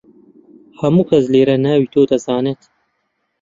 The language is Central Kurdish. هەموو کەس لێرە ناوی تۆ دەزانێت.